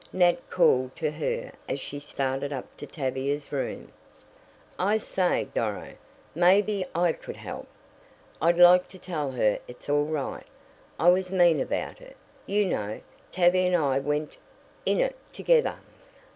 Nat called to her as she started up to Tavia's room. "I say, Doro, maybe I could help. I'd like to tell her it's all right. I was mean about it. You know, Tavia and I went in it together."